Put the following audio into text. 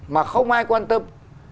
mà không ai quan tâm